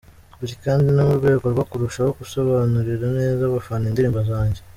Biri kandi no mu rwego rwo kurushaho gusobanurira neza abafana indirimbo zanjye.